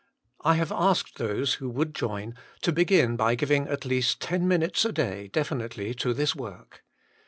I have asked those who would join, to begin by giving at least ten minutes a day definitely to this work.